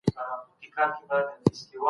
پوهانو ويلي دي چي تمدن له يوې مرحلې بلې ته ځي.